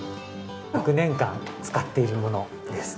１００年間使っているものです。